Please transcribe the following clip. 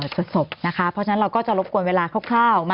จุดศพนะคะเพราะฉะนั้นเราก็จะรบกวนเวลาคร่าว